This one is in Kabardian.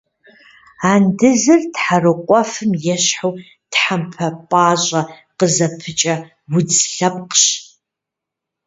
Андызыр тхьэрыкъуэфым ещхьу, тхьэмпэ пӏащӏэ къызыпыкӏэ удз лъэпкъщ.